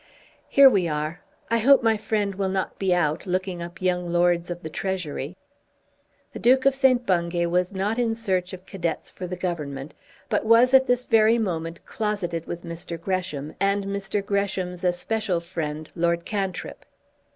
Here we are. I hope my friend will not be out, looking up young Lords of the Treasury." The Duke of St. Bungay was not in search of cadets for the Government, but was at this very moment closeted with Mr. Gresham, and Mr. Gresham's especial friend Lord Cantrip.